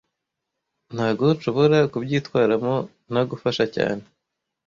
Ntago nshobora kubyitwaramo ntagufasha cyane